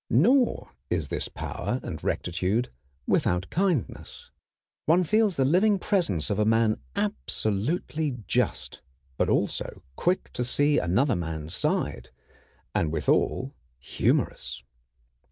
Nor is this power and rectitude without kindness. One feels the living presence of a man absolutely just, but also quick to see another man's side, and withal humorous.